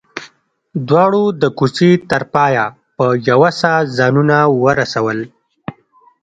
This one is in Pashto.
دواړو د کوڅې تر پايه په يوه ساه ځانونه ورسول.